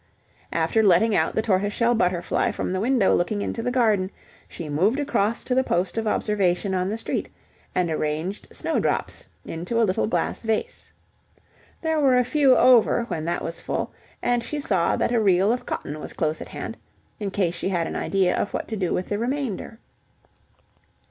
After letting out the tortoise shell butterfly from the window looking into the garden, she moved across to the post of observation on the street, and arranged snowdrops in to a little glass vase. There were a few over when that was full, and she saw that a reel of cotton was close at hand, in case she had an idea of what to do with the remainder.